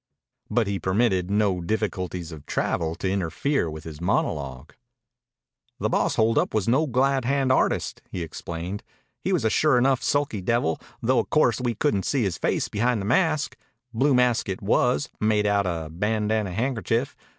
But he permitted no difficulties of travel to interfere with his monologue. "The boss hold up wasn't no glad hand artist," he explained. "He was a sure enough sulky devil, though o'course we couldn't see his face behind the mask. Blue mask it was, made outa a bandanna handkerchief.